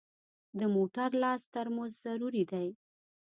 د موټر لاس ترمز ضروري دی.